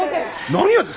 何やって。